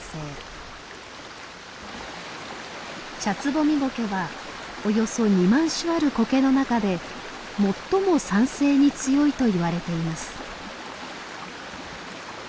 チャツボミゴケはおよそ２万種あるコケの中で最も酸性に強いといわれています。